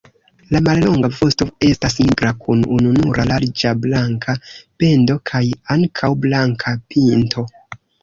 La mallonga vosto estas nigra kun ununura larĝa blanka bendo kaj ankaŭ blanka pinto.